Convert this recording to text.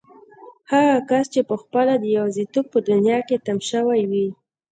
هغه کس چې پخپله د يوازيتوب په دنيا کې تم شوی وي.